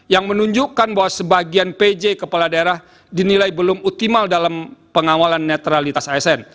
yang menunjukkan bahwa sebagian pj kepala daerah dinilai belum optimal dalam pengawalan netralitas asn